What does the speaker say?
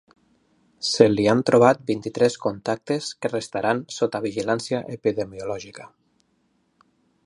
Se li han trobat vint-i-tres contactes que restaran sota vigilància epidemiològica.